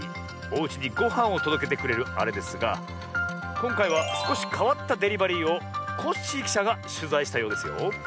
おうちにごはんをとどけてくれるあれですがこんかいはすこしかわったデリバリーをコッシーきしゃがしゅざいしたようですよ。